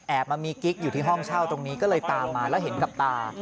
มามีกิ๊กอยู่ที่ห้องเช่าตรงนี้ก็เลยตามมาแล้วเห็นกับตา